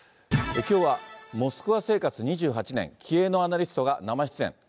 きょうはモスクワ生活２８年、気鋭のアナリストが生出演。